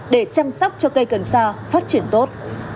để chăm sóc cho cây cần sa phát triển tốt